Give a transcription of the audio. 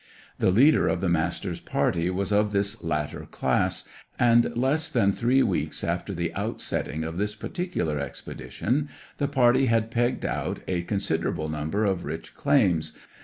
The leader of the Master's party was of this latter class, and less than three weeks after the outsetting of this particular expedition, the party had pegged out a considerable number of rich claims.